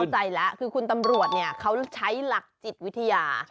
เข้าใจแล้วคือคุณตำรวจเนี่ยเขาใช้หลักจิตวิทยา